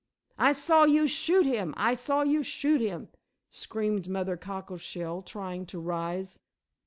"I saw you shoot him; I saw you shoot him," screamed Mother Cockleshell, trying to rise.